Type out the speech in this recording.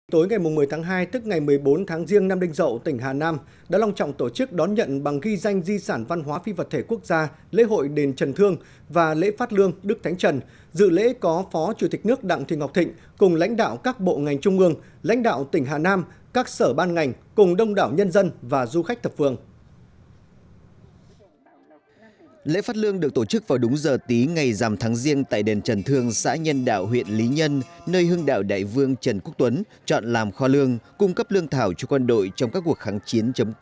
tối ngày một mươi tháng hai tức ngày một mươi bốn tháng riêng nam đinh dậu tỉnh hà nam đã long trọng tổ chức đón nhận bằng ghi danh di sản văn hóa phi vật thể quốc gia lễ hội đền trần thương và lễ phát lương đức thánh trần dự lễ có phó chủ tịch nước đặng thị ngọc thịnh cùng lãnh đạo các bộ ngành trung ương lãnh đạo tỉnh hà nam các sở ban ngành cùng đông đảo nhân dân và du khách thập vườn